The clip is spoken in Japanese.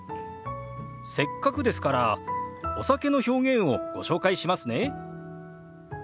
せっかくですからお酒の表現をご紹介しますね。